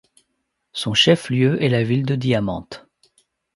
Son chef-lieu est la ville de Diamante.